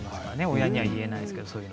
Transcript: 親には言えないですから。